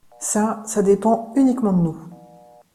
Ça, ça dépend uniquement de nous.